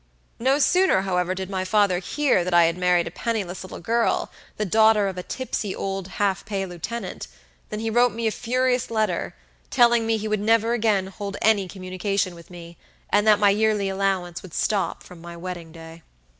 No sooner, however, did my father hear that I had married a penniless little girl, the daughter of a tipsy old half pay lieutenant, than he wrote me a furious letter, telling me he would never again hold any communication with me, and that my yearly allowance would stop from my wedding day.